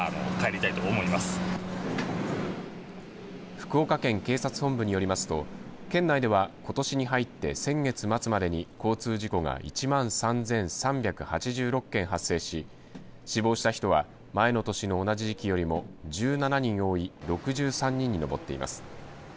福岡県警察本部によりますと県内ではことしに入って先月末までに交通事故が１万３３８６件発生し死亡した人は前の年の同じ時期よりも１７人多い６３人に上っています。